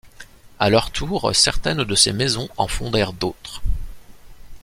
À leur tour, certaines de ces maisons en fondèrent d’autres.